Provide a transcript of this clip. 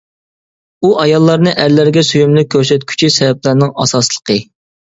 ئۇ ئاياللارنى ئەرلەرگە سۆيۈملۈك كۆرسەتكۈچى سەۋەبلەرنىڭ ئاساسلىقى.